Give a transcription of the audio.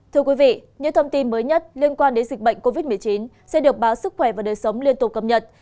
thưa quý vị những thông tin mới nhất liên quan đến dịch bệnh covid một mươi chín sẽ được báo sức khỏe và đời sống liên tục cập nhật